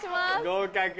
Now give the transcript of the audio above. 合格。